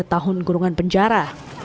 tiga tahun gurungan penjara